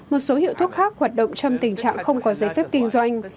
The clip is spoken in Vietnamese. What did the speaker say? một số hiệu thuốc khác hoạt động trong tình trạng không có giấy phép kinh doanh